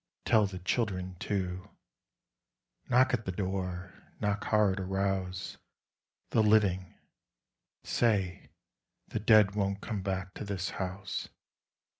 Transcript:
Tell the children, too Knock at the door, knock hard, arouse The living. Say: the dead won't come back to this house.